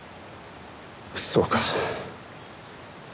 そうか。